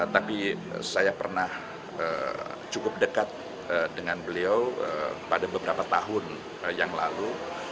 tapi saya pernah cukup dekat dengan beliau pada beberapa tahun yang lalu